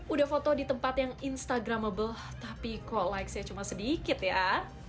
udah foto di tempat yang instagramable tapi kok likesnya cuma sedikit ya